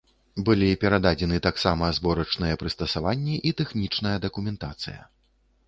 Былі перададзены таксама зборачныя прыстасаванні і тэхнічная дакументацыя.